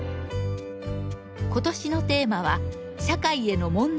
今年のテーマは「社会への問題提起」。